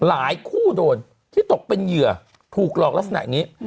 คู่โดนที่ตกเป็นเหยื่อถูกหลอกลักษณะอย่างนี้